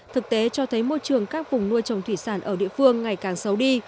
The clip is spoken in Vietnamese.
thực tế cho thấy môi trường các vùng nuôi trồng thủy sản ở địa phương ngày càng xấu đi